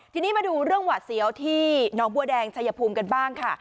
ทีนี้มาดูเรื่องหวาดเสียวที่น้องบัวแดงชายภูมิกันบ้างค่ะ